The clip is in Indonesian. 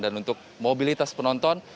dan untuk mobilitas penonton